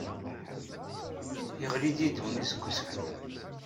Yeɣli-d yiddew-nni seg useklu.